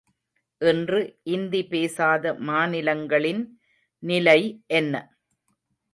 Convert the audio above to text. இன்று இந்தி பேசாத மாநிலங்களின் நிலை என்ன?